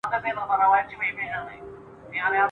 پېغلي ځي تر ښوونځیو ځوان مکتب لره روان دی !.